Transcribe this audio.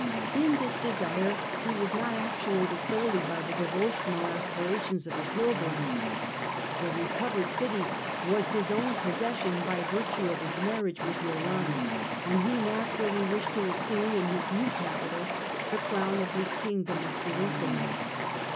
In this desire he was not actuated solely by the devotional aspirations of a pilgrim. The recovered city was his own possession by virtue of his marriage with Yolande, and he naturally wished to assume in his new capital the crown of his Kingdom of Jerusalem.